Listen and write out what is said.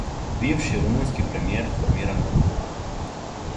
Бивши румунски премијер формира нову владу